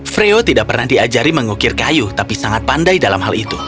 freo tidak pernah diajari mengukir kayu tapi sangat pandai dalam hal itu